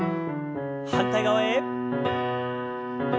反対側へ。